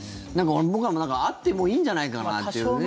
僕なんか、あってもいいんじゃないかななんていうね